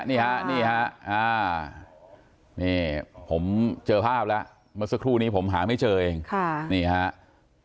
นี่ฮะนี่ฮะผมเจอภาพแล้วเมื่อสักครู่เถอะว้ายผมหาไม่เจอเอง